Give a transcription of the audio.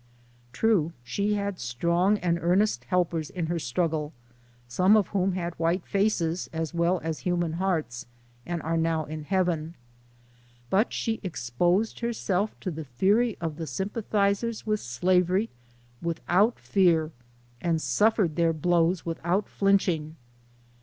True, she had strong and earnest helpers in her struggle, some of whom had white faces as well as human hearts, and are now in Heaven. But she exposed herself to the fury of the sympathizers with slavery, without fear, and suffered their blows without flinching.